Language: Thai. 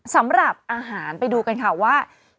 สำหรับอาหารไปดูกันค่ะว่า